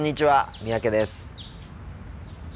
三宅です。